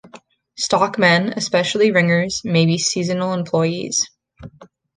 Stockmen, especially ringers, may be seasonal employees.